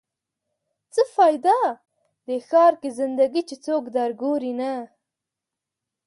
څه فایده؟ دې ښار کې زنده ګي چې څوک در ګوري نه